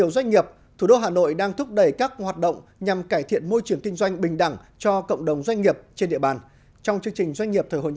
xin chào và hẹn gặp lại trong các bộ phim tiếp theo